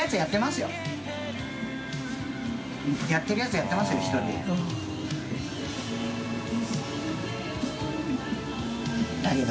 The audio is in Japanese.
やってるやつはやってますよ１人で。